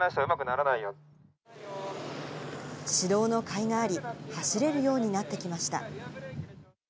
指導のかいがあり、走れるようになってきました。